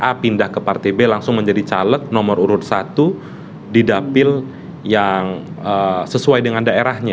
a pindah ke partai b langsung menjadi caleg nomor urut satu di dapil yang sesuai dengan daerahnya